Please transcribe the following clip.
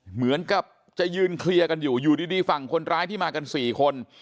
เหมือนกับจะยืนเคลียร์กันอยู่อยู่ดีฝั่งคนร้ายที่มากัน๔คน